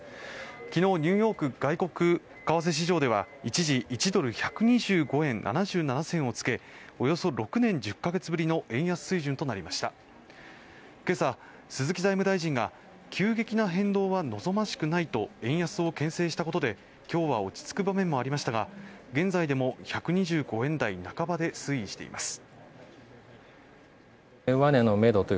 昨日ニューヨーク外国為替市場では一時１ドル＝１２５円７７銭をつけおよそ６年１０か月ぶりの円安水準となりましたけさ鈴木財務大臣が急激な変動は望ましくないと円安をけん制したことで今日は落ち着く場面もありましたが現在でも１２５円台半ばで推移しています